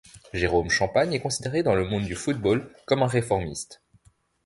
Jérôme Champagne est considéré dans le monde du football comme un réformiste.